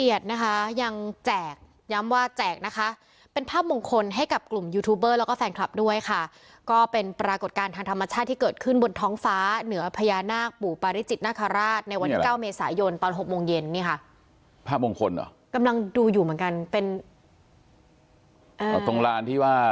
อย่างผมยังไม่ต้องไปหวั่นไหว